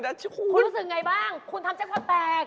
คุณรู้สึกอย่างไรบ้างคุณทำแค่ความแปลก